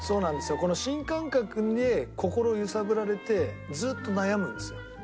この新感覚に心揺さぶられてずっと悩むんですよ